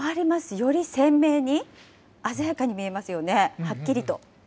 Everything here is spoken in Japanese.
より鮮明に、鮮やかに見えますよね、はっきりと。